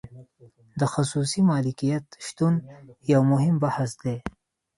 د خصوصي مالکیت شتون یو مهم بحث دی.